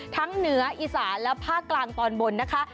เหนืออีสานและภาคกลางตอนบนนะคะ